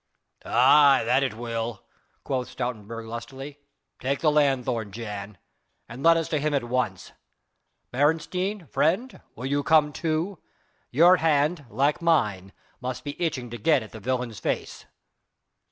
"Aye, that it will!" quoth Stoutenburg lustily. "Take the lanthorn, Jan, and let us to him at once. Beresteyn, friend, will you come too? Your hand like mine must be itching to get at the villain's face."